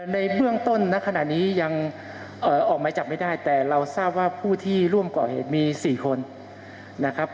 ในเบื้องต้นณขณะนี้ยังออกไม้จับไม่ได้แต่เราทราบว่าผู้ที่ร่วมก่อเหตุมี๔คนนะครับ